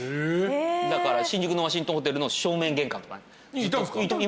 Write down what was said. だから新宿のワシントンホテルの正面玄関とかに。